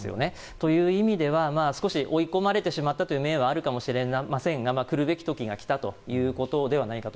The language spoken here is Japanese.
という意味では少し追い込まれてしまったという面はあるかもしれませんが来るべき時が来たということではないかと。